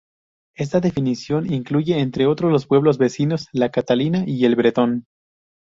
Esta definición incluye, entre otros, los pueblos vecinos La Catalina y El Bretón.